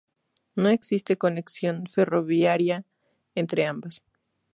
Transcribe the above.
No existe conexión ferroviaria entre ambas.